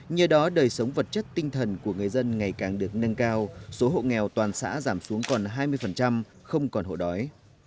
nhờ đó đời sống vật chất tinh thần của người dân ngày càng được nâng cao số hộ nghèo toàn xã giảm xuống còn hai mươi không còn hộ đói